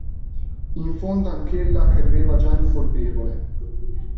In fondo anch'ella credeva Gianni colpevole.